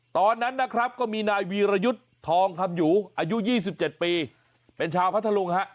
ตอนนั้นนะครับก็มีนายวีรยุทธ์ทองคำอยู่อายุ๒๗ปีเป็นชาวพัทธลุงฮะ